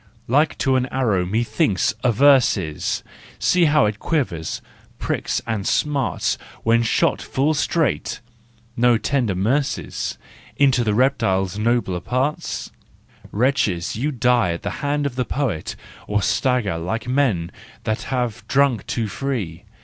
Like to an arrow, methinks, a verse is. See how it quivers, pricks and smarts When shot full straight (no tender mercies!) Into the reptile's nobler parts ! APPENDIX 359 Wretches, you die at the hand of the poet, Or stagger like men that have drunk too free.